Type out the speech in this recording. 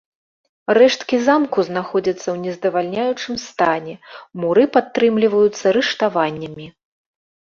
Рэшткі замку знаходзяцца ў нездавальняючым стане, муры падтрымліваюцца рыштаваннямі.